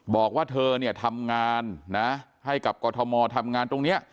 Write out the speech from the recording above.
บอกว่าเธอทำงานให้กับกฎธมอร์ทำงานตรงนี้